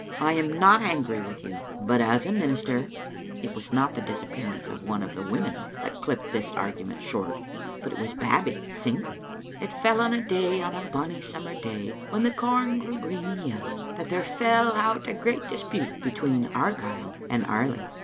I am not angry with you, but as a minis ter " It was not the disappearance of one of the women that clipped this argument short; it was Babbie sing ing— "It fell on a day, on a bonny summer day, "When the corn grew green and yellow, That there fell out a great dispute Between Argyle and Airly.